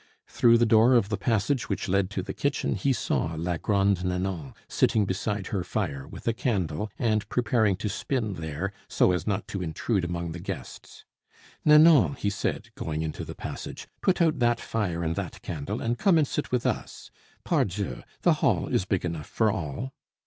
Through the door of the passage which led to the kitchen he saw la Grande Nanon sitting beside her fire with a candle and preparing to spin there, so as not to intrude among the guests. "Nanon," he said, going into the passage, "put out that fire and that candle, and come and sit with us. Pardieu! the hall is big enough for all."